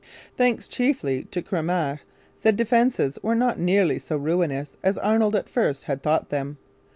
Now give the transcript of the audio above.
Thanks chiefly to Cramahe, the defences were not nearly so 'ruinous' as Arnold at first had thought them.